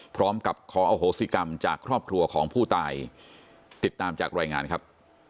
พร้อมกับขออโหสิกรรมจากครอบครัวของผู้ตายติดตามจากรายงานครับ